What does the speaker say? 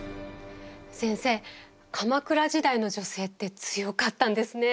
先生鎌倉時代の女性って強かったんですね。